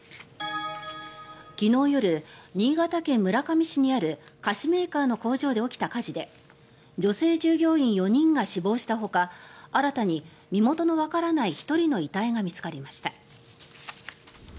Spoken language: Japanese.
昨日夜、新潟県村上市にある菓子メーカーの工場で起きた火事で女性従業員４人が死亡したほか新たに身元のわからない１人の遺体が見つかりました。